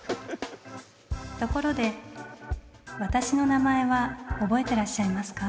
ところで私の名前は覚えてらっしゃいますか？